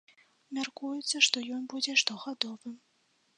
Мяркуецца, што ён будзе штогадовым.